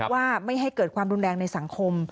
ว่าไม่ให้เกิดความรุนแรงในสังคม